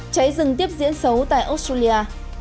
cháy rừng tiếp diễn xấu tại australia